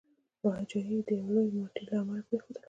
پاچهي یې د یوي لويي ماتي له امله پرېښودله.